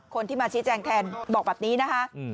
คนที่มาชี้แจงแทนบอกแบบนี้นะคะ